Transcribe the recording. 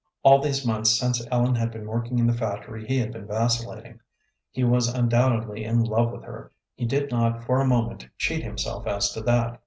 All these months since Ellen had been working in the factory he had been vacillating. He was undoubtedly in love with her; he did not for a moment cheat himself as to that.